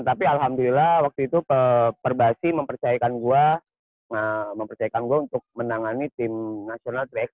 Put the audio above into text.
tapi alhamdulillah waktu itu perbasi mempercayakan gue untuk menangani tim nasional tiga x tiga